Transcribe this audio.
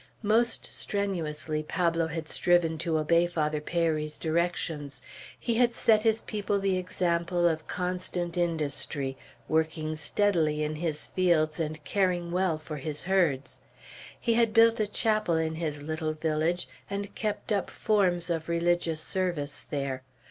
Most strenuously Pablo had striven to obey Father Peyri's directions. He had set his people the example of constant industry, working steadily in his fields and caring well for his herds. He had built a chapel in his little village, and kept up forms of religious service there.